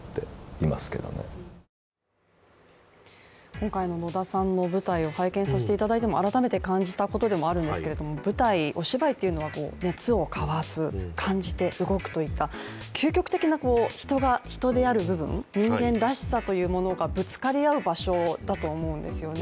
今回の野田さんの舞台を拝見させていただいても改めて感じたことでもあるんですけれども舞台、お芝居というのは熱を交わす、感じて動くというような究極的な人が人である部分、人間らしさというものがぶつかり合う場所だと思うんですよね。